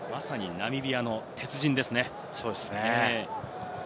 ナミビアの鉄人ですね。